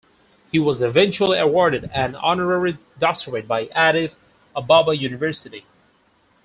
He was eventually awarded an honorary doctorate by Addis Ababa University.